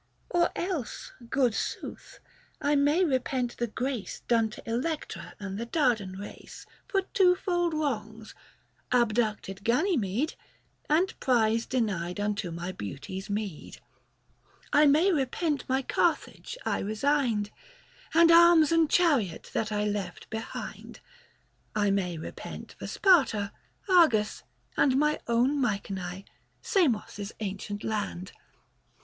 Or else, good sooth, I may repent the grace Done to Electra and the Dardan race For twofold wrongs — abducted Ganymede, And prize denied unto my beauty's meed ; 50 I may repent my Carthage I resigned, And arms and chariot that I left behind ; I may repent for Sparta, Argos, and My own Mycenae, Samos' ancient land, Book VI.